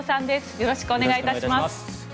よろしくお願いします。